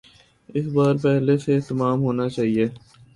اس بار پہلے سے اہتمام ہونا چاہیے۔